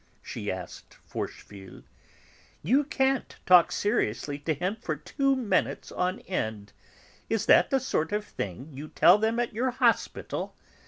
she asked Forcheville. "You can't talk seriously to him for two minutes on end. Is that the sort of thing you tell them at your hospital?"